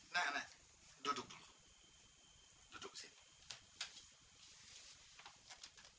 nah duduk dulu duduk sini